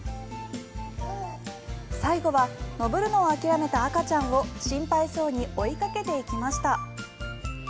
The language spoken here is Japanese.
最後は上るのを諦めた赤ちゃんを心配そうに追いかけていきました。